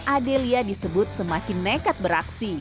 adelia disebut semakin nekat beraksi